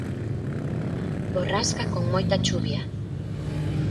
Borrasca con moita chuvia.